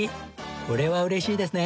これは嬉しいですね。